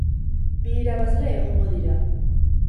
Bi irabazle egongo dira.